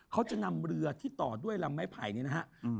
เขาจะนำเรือที่ต่อด้วยลำไม้ไผ่เนี่ยนะฮะ